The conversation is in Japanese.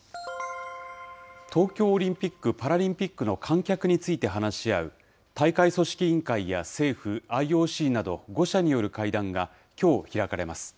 東京オリンピック・パラリンピックの観客について話し合う、大会組織委員会や政府、ＩＯＣなど５者による会談がきょう、開かれます。